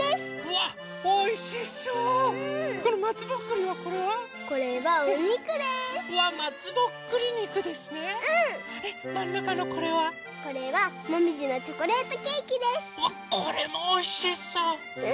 わっこれもおいしそう！